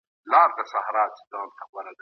نو سينه د کائناتو مدينه ده